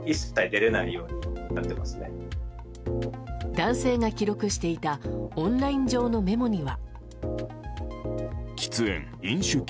男性が記録していたオンライン上のメモには。